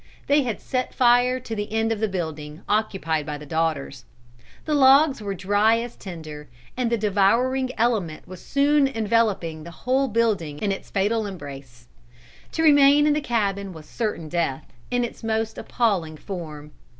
They had set fire to the end of the building occupied by the daughters. The logs were dry as tinder, and the devouring element was soon enveloping the whole building in its fatal embrace. To remain in the cabin was certain death, in its most appalling form.